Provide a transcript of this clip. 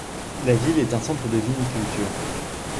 La ville est un centre de viniculture.